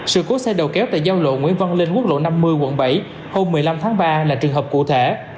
sự cố xe đầu kéo tại giao lộ nguyễn văn linh quốc lộ năm mươi quận bảy hôm một mươi năm tháng ba là trường hợp cụ thể